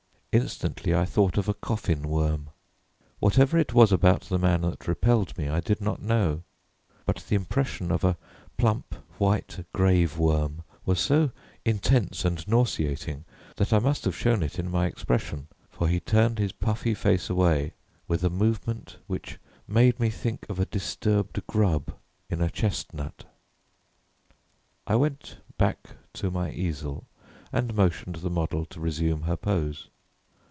Instantly I thought of a coffin worm. Whatever it was about the man that repelled me I did not know, but the impression of a plump white grave worm was so intense and nauseating that I must have shown it in my expression, for he turned his puffy face away with a movement which made me think of a disturbed grub in a chestnut. I went back to my easel and motioned the model to resume her pose.